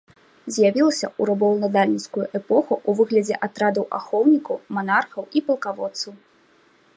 З'явілася ў рабаўладальніцкую эпоху ў выглядзе атрадаў ахоўнікаў манархаў і палкаводцаў.